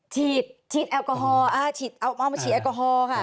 ฉีดฉีดแอลกอฮอล์ฉีดเอามาฉีดแอลกอฮอล์ค่ะ